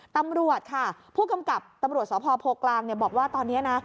ตำรวจค่ะผู้กำกับตำรวจสพโพกลางบอกว่าตอนนี้นะ